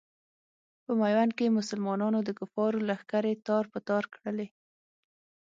په میوند کې مسلمانانو د کفارو لښکرې تار په تار کړلې.